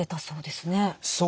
そうですね。